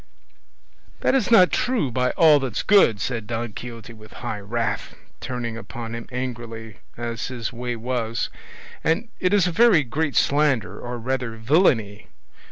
"That is not true, by all that's good," said Don Quixote in high wrath, turning upon him angrily, as his way was; "and it is a very great slander, or rather villainy.